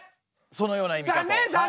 そのような意味かと。